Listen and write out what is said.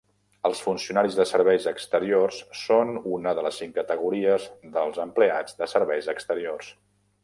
Els funcionaris de serveis exteriors són una de les cinc categories dels empleats de serveis exteriors.